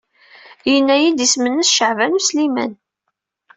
Yenna-iyi-d isem-nnes Caɛban U Sliman.